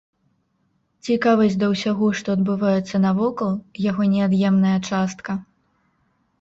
Цікавасць да ўсяго, што адбываецца навокал, яго неад'емная частка.